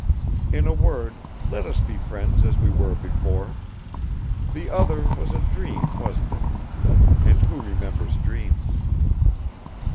In a word, let us be friends as we were before. The other was a dream, wasn't it? And who remembers dreams?"